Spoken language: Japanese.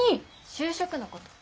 就職のこと。